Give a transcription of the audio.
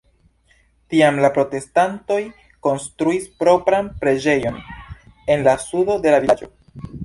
Tiam la protestantoj konstruis propran preĝejon en la sudo de la vilaĝo.